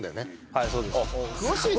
はいそうです。